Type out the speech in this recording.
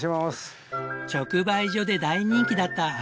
直売所で大人気だった